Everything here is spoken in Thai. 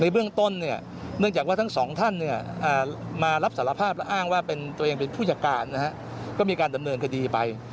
ในเรื่องต้นเนี่ยเนื่องจากว่าทั้ง๒ท่านเนี่ยมารับสารภาพและอ้างว่าเป็นตัวเองเป็นผู้จัดการนะครับก็มีการดำเนินคดีไป